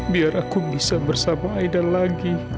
biar aku bisa bersama aida lagi